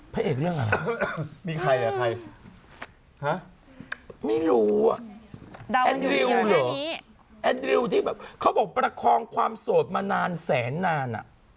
พระเอกเรื่องอะไรมีใครอ่ะใครฮะไม่รู้อ่ะแอนริวเหรอแอนดริวที่แบบเขาบอกประคองความโสดมานานแสนนานอ่ะ